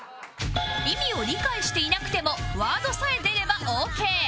意味を理解していなくてもワードさえ出ればオーケー